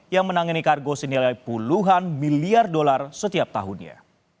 yang menangani kargo senilai puluhan miliar dolar setiap tahunnya